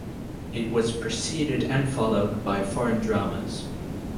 It was preceded and followed by foreign dramas.